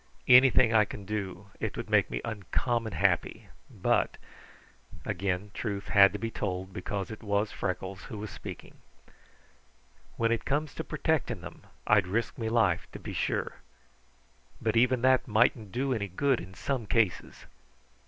Anything I can do it would make me uncommon happy, but" again truth had to be told, because it was Freckles who was speaking "when it comes to protecting them, I'd risk me life, to be sure, but even that mightn't do any good in some cases.